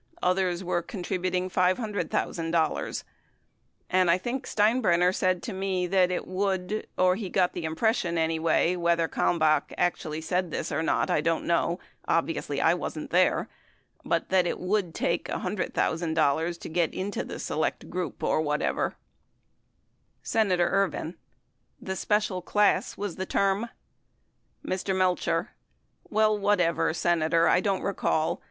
Others were contributing $500,000, and I think Steinbrenner said to me that it would, or he got the impression anyway, whether Kalmbach actually said this or not I don't know — obviously, I wasn't there — but that it would take $100,000 to get into the select group or whatever. Senator Ervin. The special class was the term ? Mr. Melcher. Well, whatever, Senator. I don't recall.